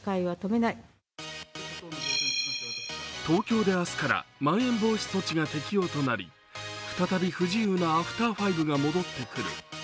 東京で明日からまん延防止措置が適用となり再び不自由なアフター５が戻ってくる。